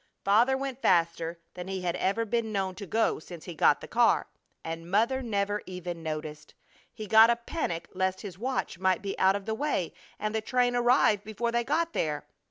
Father went faster than he had ever been known to go since he got the car, and Mother never even noticed. He got a panic lest his watch might be out of the way and the train arrive before they got there.